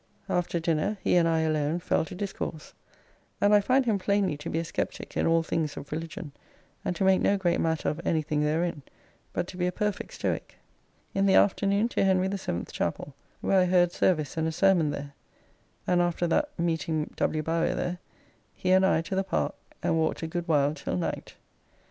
After dinner he and I alone fell to discourse, and I find him plainly to be a sceptic in all things of religion, and to make no great matter of anything therein, but to be a perfect Stoic. In the afternoon to Henry the Seventh's Chappell, where I heard service and a sermon there, and after that meeting W. Bowyer there, he and I to the Park, and walked a good while till night.